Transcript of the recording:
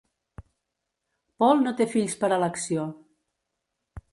Paul no té fills per elecció.